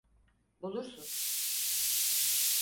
Bulursun.